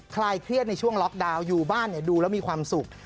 คลายเครียดในช่วงล็อกดาวน์อยู่บ้านดูแล้วมีความสุข